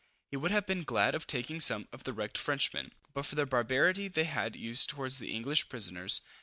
He would have been glad of taking some of the wrecked Frenchmen, but for the barbarity they had used towards the English prisoners.